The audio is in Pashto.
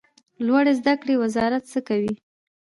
لوړو زده کړو وزارت څه کوي؟